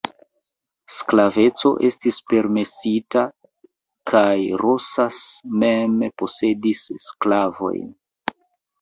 Sklaveco estis permesita kaj Rosas mem posedis sklavojn.